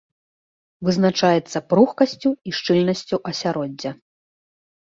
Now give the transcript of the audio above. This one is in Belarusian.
Вызначаецца пругкасцю і шчыльнасцю асяроддзя.